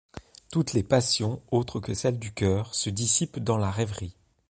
Toutes les passions, autres que celles du cœur, se dissipent dans la rêverie.